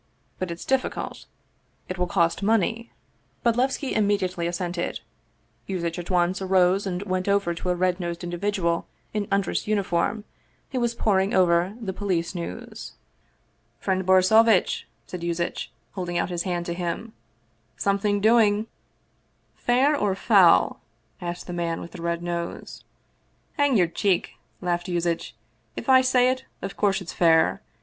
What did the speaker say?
But it's difficult. It will cost money." Bodlevski immediately assented. Yuzitch at once rose and went over to a red nosed individual in undress uni form, who was poring over the Police News. 188 Vsevolod Vladimir ovitch Krestovski " Friend Borisovitch," said Yuzitch, holding out his hand to him, " something doing !"" Fair or foul ?" asked the man with the red nose. " Hang your cheek !" laughed Yuzitch ;" if I say it, of course it's fair."